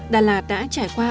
đà lạt đã trải qua